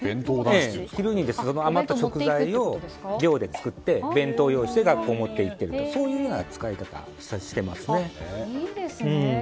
昼に余った食材を寮で作って弁当を用意して学校に持っていっているという使い方をしていますね。